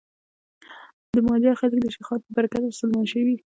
د مالیبار خلک د شیخانو په برکت مسلمان شوي.